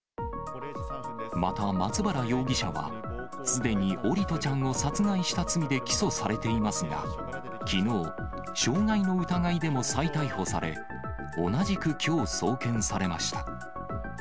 また、松原容疑者は、すでに桜利斗ちゃんを殺害した罪で起訴されていますが、きのう、傷害の疑いでも再逮捕され、同じくきょう、送検されました。